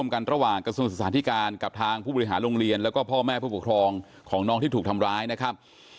กับทางผู้บริหารโรงเรียนและก็พ่อแม่ผู้ปกครองของน้องที่ถูกทำร้ายนะครับ